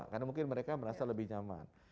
karena mungkin mereka merasa lebih nyaman